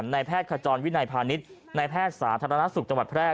ในแพทย์ขจรวินัยพาณิชย์ในแพทย์สาธารณสุขจังหวัดแพร่